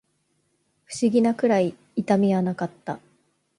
不思議なくらい痛みはなかった